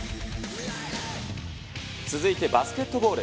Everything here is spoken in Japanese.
続いてバスケットボール。